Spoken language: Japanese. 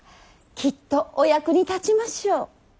きっとお役に立ちましょう。